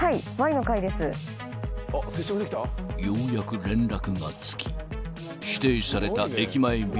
［ようやく連絡がつき指定された駅前ビルの地下街へ］